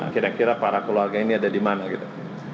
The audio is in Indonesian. kira kira para itu keluarga ini ada dimana gitu